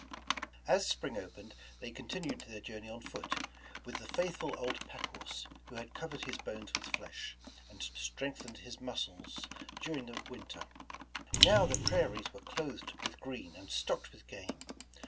As spring opened they continued their journey on foot, with the faithful old pack horse, who had cov ered his bones with flesh, and strengthened his muscles during the winter. Now the prairies were clothed with green and stocked with game.